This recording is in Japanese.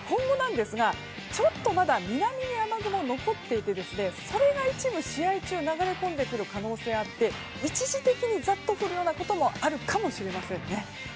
ちょっとまだ南に雨雲がそれが一部、試合中流れ込んでくる可能性があって一時的にざっと降るようなこともあるかもしれません。